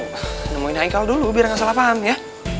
ya mau nemuin haikal dulu biar gak salah paham ya